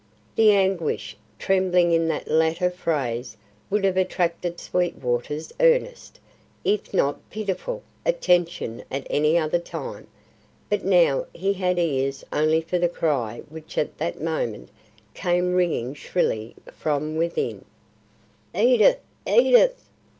The anguish trembling in that latter phrase would have attracted Sweetwater's earnest, if not pitiful, attention at any other time, but now he had ears only for the cry which at that moment came ringing shrilly from within "Edith! Edith!"